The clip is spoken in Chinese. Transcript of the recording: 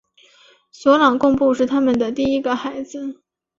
索朗贡布是他们的第一个孩子。